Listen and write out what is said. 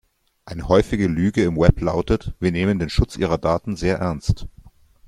Eine häufige Lüge im Web lautet: Wir nehmen den Schutz Ihrer Daten sehr ernst.